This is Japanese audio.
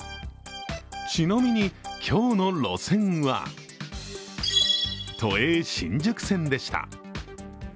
ちなみに、今日の路線は都営新宿線でした。